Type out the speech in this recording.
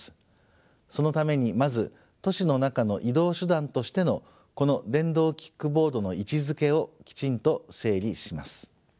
そのためにまず都市の中の移動手段としてのこの電動キックボードの位置づけをきちんと整理します。